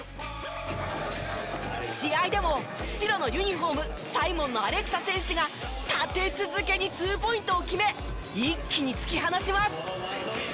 試合でも白のユニホームＳＩＭＯＮのアレクサ選手が立て続けにツーポイントを決め一気に突き放します。